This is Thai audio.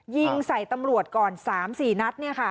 ยิงใส่ตำรวจก่อน๓๔นัด